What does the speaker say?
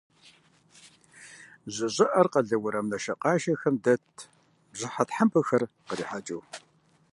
Жьы щӏыӏэр къалэ уэрам нашэкъашэхэм дэтт, бжьыхьэ тхьэмпэхэр кърихуэкӏыу.